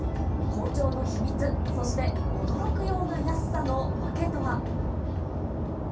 好調の秘密、そして驚くような安さの訳とは。